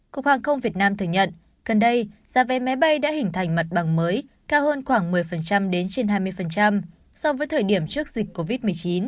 cục hàng không việt nam thừa nhận gần đây giá vé máy bay đã hình thành mặt bằng mới cao hơn khoảng một mươi đến trên hai mươi so với thời điểm trước dịch covid một mươi chín